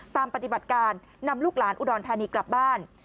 ปฏิบัติการนำลูกหลานอุดรธานีกลับบ้าน